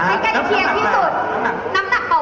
ให้กันเคียงที่สุด